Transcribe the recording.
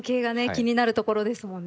気になるところですもんね。